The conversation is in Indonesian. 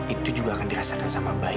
itu juga akan dirasakan sama baik